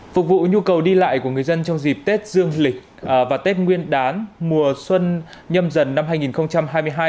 phục vụ nhu cầu đi lại của người dân trong dịp tết dương lịch và tết nguyên đán mùa xuân nhâm dần năm hai nghìn hai mươi hai